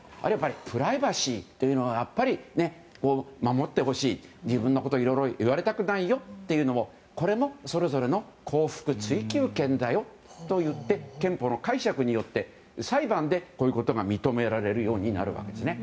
プライバシーというのはやっぱり守ってほしいと、自分のこといろいろ言われたくないよとこれも、それぞれの幸福追求権だよといって憲法の解釈によって裁判でこういうことが認められるようになるわけですね。